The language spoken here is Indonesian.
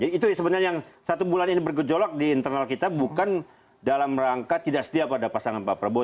jadi itu sebenarnya yang satu bulan ini bergejolak di internal kita bukan dalam rangka tidak setia pada pasangan pak prabowo